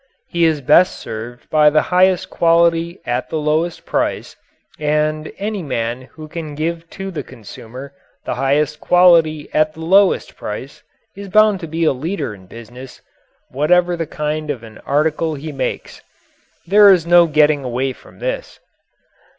He is best served by the highest quality at the lowest price, and any man who can give to the consumer the highest quality at the lowest price is bound to be a leader in business, whatever the kind of an article he makes. There is no getting away from this.